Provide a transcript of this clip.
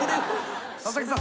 佐々木さん。